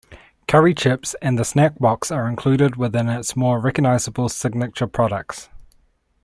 Curry Chips and The Snack Box are included within its more recognisable signature products.